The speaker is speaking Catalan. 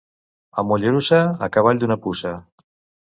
A Mollerussa, a cavall d'una puça.